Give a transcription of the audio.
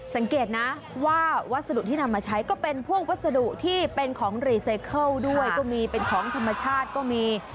สังเกตนะว่าวัสดุที่นำมาใช้ก็เป็นพวกวัสดุที่เป็นของรีไซเคิลด้วยก็มีเป็นของธรรมชาติก็มี